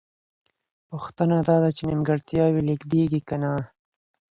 پوښتنه دا ده چې نیمګړتیا لېږدېږي که نه؟